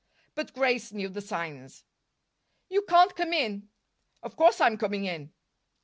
But Grace knew the signs. "You can't come in." "Of course I'm coming in."